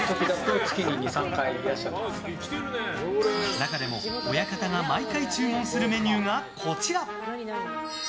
中でも親方が毎回注文するメニューがこちら。